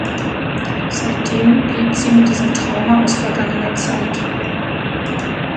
Seitdem lebt sie mit diesem Trauma aus vergangener Zeit.